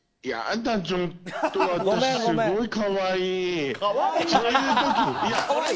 私すごいかわいい。